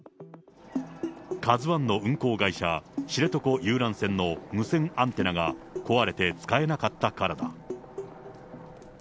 カズワンの運航会社、知床遊覧船の無線アンテナが壊れて使えなかったからだ。